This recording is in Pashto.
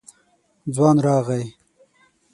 ځوان راغی.